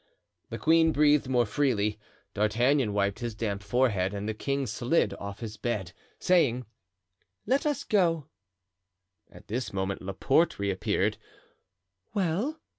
The queen breathed more freely. D'Artagnan wiped his damp forehead and the king slid off his bed, saying, "Let us go." At this moment Laporte reappeared. "Well?"